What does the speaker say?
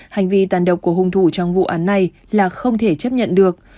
hành vi tàn độc của hung thủ trong vụ án này là không thể chấp nhận được